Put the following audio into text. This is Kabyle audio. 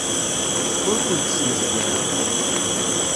Ur kent-smejgareɣ.